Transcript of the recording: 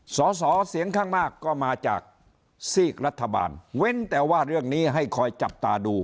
สอสอเสียงข้างมากก็มาจากซีกรัฐบาลเว้นแต่ว่าเรื่องนี้ให้คอยจับตาดู